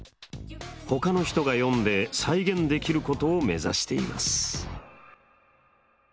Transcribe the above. ほかの人が読んで再現できることを目指しています。